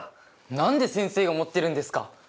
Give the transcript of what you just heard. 何で先生が持ってるんですか！